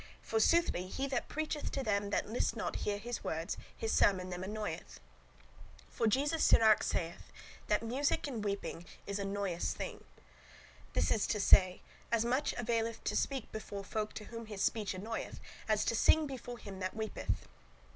For soothly he that preacheth to them that list not hear his words, his sermon them annoyeth. For Jesus Sirach saith, that music in weeping is a noyous [troublesome] thing. This is to say, as much availeth to speak before folk to whom his speech annoyeth, as to sing before him that weepeth.